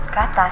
ya udah oke